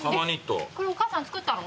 これお母さん作ったの？